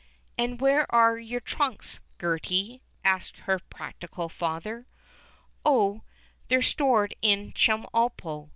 "And where are your trunks, Gertie?" asked her practical father. "Oh, they're stored in Chemulpo.